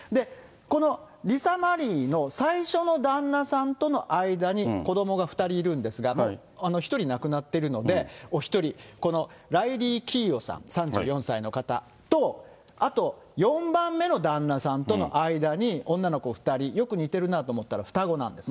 このリサ・マリーの最初の旦那さんとの間に子どもが２人いるんですが、１人亡くなってるので、お１人、このライリー・キーオさん３４歳の方と、あと４番目の旦那さんとの間に女の子２人、よく似てるなと思ったら双子なんです。